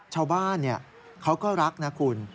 ชาวบ้านเขาก็รักนะคุณ